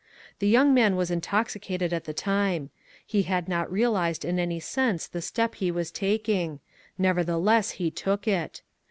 The young man was intoxicated at the time. He Lad not realized in any sense the step he was taking; nevertheless he took it.